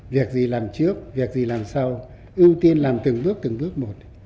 việc gì làm trước việc gì làm sao ưu tiên làm từng bước từng bước một